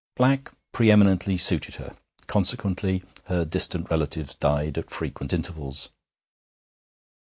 Black pre eminently suited her. Consequently her distant relatives died at frequent intervals.